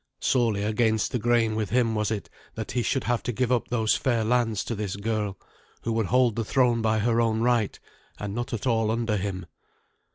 Sorely against the grain with him was it that he should have to give up those fair lands to this girl, who would hold the throne by her own right, and not at all under him.